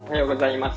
おはようございます。